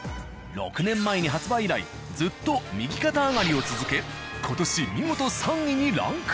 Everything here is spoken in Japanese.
６年前に発売以来ずっと右肩上がりを続け今年見事３位にランクイン！